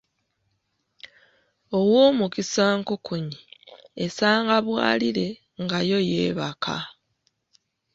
Owoomukisa nkukunyi, esanga bwalire nga yo yeebaka!